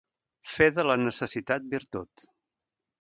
Fer de la necessitat virtut.